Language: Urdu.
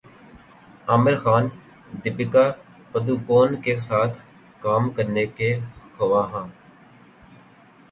عامرخان دپیکا پڈوکون کے ساتھ کام کرنے کے خواہاں